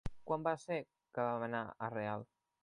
Quan va ser que vam anar a Real?